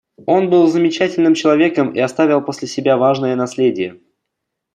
Он был замечательным человеком и оставил после себя важное наследие.